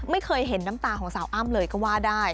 ไม่เคยเห็นน้ำตาของสาวอ้ำเลยก็ว่าได้